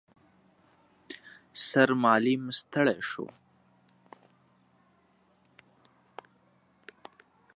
سرمعلم ستړی شو.